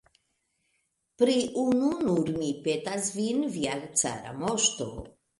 Pri unu nur mi petas vin, via cara moŝto!